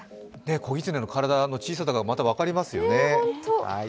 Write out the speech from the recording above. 子ぎつねの体の小ささが分かりますよね。